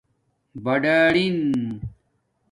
بڑرہنݣ